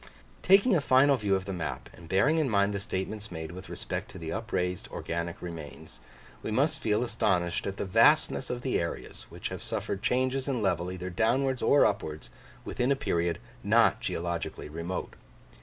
Taking a final view of the map, and bearing in mind the statements made with respect to the upraised organic remains, we must feel astonished at the vastness of the areas, which have suffered changes in level either downwards or upwards, within a period not geologically remote.